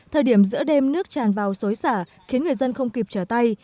thời điểm giữa đêm nước tràn vào xối xả khiến người dân không kịp trở tay